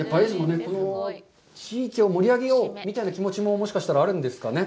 地域を盛り上げようという気持ちももしかしたらあるんですかね。